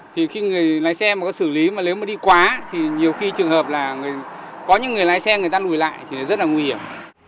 thì khi người lái xe mà có xử lý mà nếu mà đi quá thì nhiều khi trường hợp là có những người lái xe người ta lùi lại thì rất là nguy hiểm